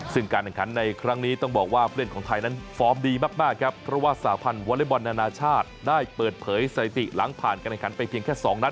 ซึ่งการแข่งขันในครั้งนี้ต้องบอกว่าผู้เล่นของไทยนั้นฟอร์มดีมากครับเพราะว่าสาพันธ์วอเล็กบอลนานาชาติได้เปิดเผยสถิติหลังผ่านการแข่งขันไปเพียงแค่๒นัด